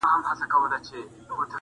یو ناڅاپه پر یو سیوري برابر سو-